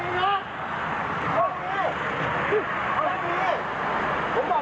เย็น